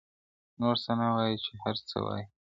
نور څه نه وای چي هر څه وای٫